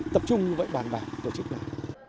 tập trung như vậy bàn bàn tổ chức bàn